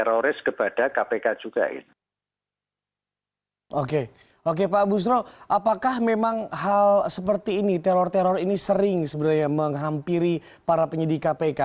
oke oke pak busro apakah memang hal seperti ini teror teror ini sering sebenarnya menghampiri para penyidik kpk